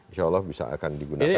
insya allah bisa akan digunakan